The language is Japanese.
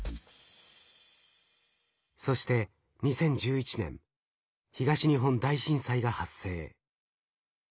そして２０１１年東日本大震災が発生。